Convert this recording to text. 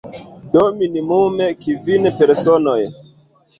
Do, minimume kvin personoj.